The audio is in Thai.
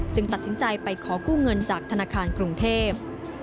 ตัดสินใจไปขอกู้เงินจากธนาคารกรุงเทพ